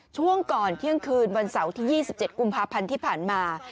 ช่วงก่อนเที่ยงคืนวันเสาร์ที่๒๗กุมภาพันธ์ที่ผ่านมา